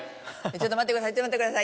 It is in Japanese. ちょっと待ってください」って。